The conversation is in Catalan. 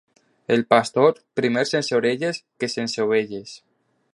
El pastor, primer sense orelles que sense ovelles.